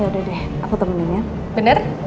yaudah deh aku temenin ya bener